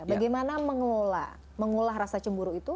bagaimana mengelola mengolah rasa cemburu itu